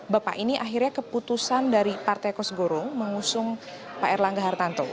bapak ini akhirnya keputusan dari partai kosgoro mengusung pak erlangga hartanto